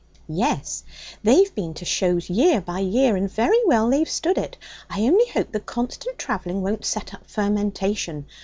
'Yes. They've been to shows year by year, and very well they've stood it. I only hope the constant travelling won't set up fermentation.